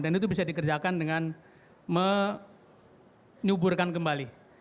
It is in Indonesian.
dan itu bisa dikerjakan dengan menyuburkan kembali